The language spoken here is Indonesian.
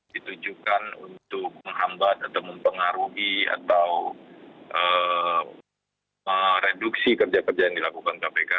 ditujukan untuk menghambat atau mempengaruhi atau mereduksi kerja kerja yang dilakukan kpk